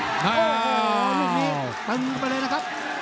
โอ้โหยุคนี้ตึงไปเลยนะครับ